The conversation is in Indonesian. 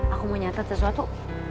aku mau nyatet sesuatu